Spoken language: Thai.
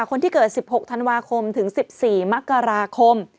คนที่เกิด๑๖ธันวาคมถึง๑๔มกราคม